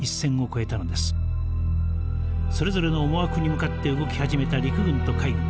それぞれの思惑に向かって動き始めた陸軍と海軍。